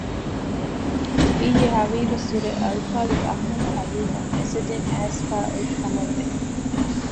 އިއްޔެ ހަވީރުއްސުރެ އަލްފާޟިލް އަޙްމަދު ޙަލީމަށް މެސެޖެއް އައިސްފައި އޮތް ކަމަށް ވެ